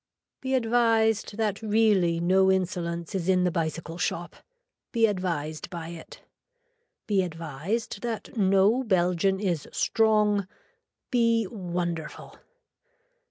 Be advised that really no insolence is in the bicycle shop. Be advised by it. Be advised that no belgian is strong, be wonderful.